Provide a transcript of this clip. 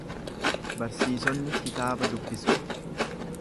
Barsiisonni kitaaba dubbisu.